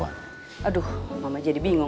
untung jam fucking tune